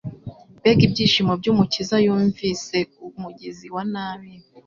Mbega ibyishimo by'Umukiza yumvise umugizi wa nabi